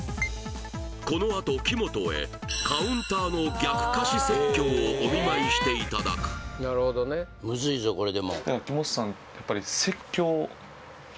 このあと木本へカウンターの逆歌詞説教をお見舞いしていただくＰａｙＰａｙクーポンで！